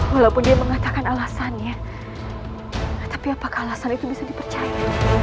walaupun dia mengatakan alasannya tapi apakah alasan itu bisa dipercaya